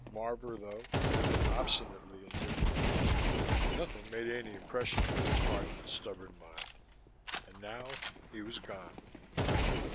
Marvor, though, had been obstinately indifferent. Nothing made any impression on his hardened, stubborn mind. And now he was gone.